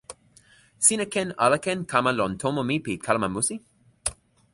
sina ken ala ken kama lon tomo mi pi kalama musi?